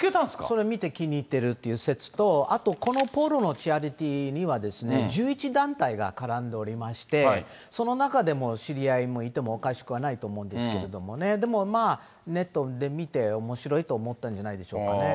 それを見て気に入ってるっていう説と、あと、このポロのチャリティーには、１１団体が絡んでおりまして、その中でも知り合いもいてもおかしくないと思うんですけどね、でも、ネットで見て、おもしろいと思ったんじゃないでしょうかね。